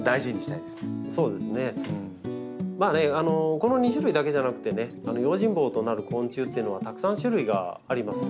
この２種類だけじゃなくてね用心棒となる昆虫っていうのはたくさん種類があります。